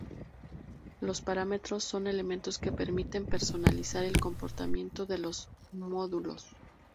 Los parámetros son elementos que permiten personalizar el comportamiento de los módulos.